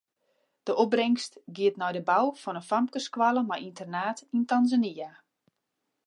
De opbringst giet nei de bou fan in famkesskoalle mei ynternaat yn Tanzania.